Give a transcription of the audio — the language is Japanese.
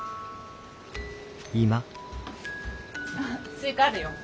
スイカあるよ。